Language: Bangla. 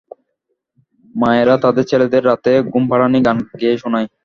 মায়েরা তাদের ছেলেদের রাতে ঘুমপাড়ানি গান গেয়ে শোনায়।